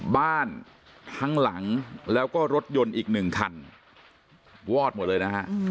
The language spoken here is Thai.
บ้านทั้งหลังแล้วก็รถยนต์อีกหนึ่งคันวอดหมดเลยนะฮะ